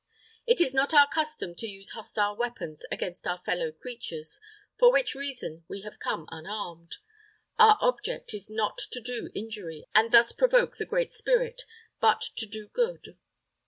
"It is not our custom to use hostile weapons against our fellow creatures, for which reason we have come unarmed. Our object is not to do injury, and thus provoke the Great Spirit, but to do good.